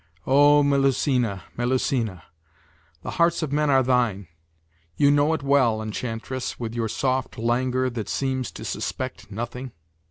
O, Melusina! Melusina! The hearts of men are thine. You know it well, enchantress, with your soft languor that seems to suspect nothing!